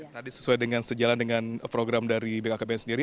tadi sesuai dengan sejalan dengan program dari bkkbn sendiri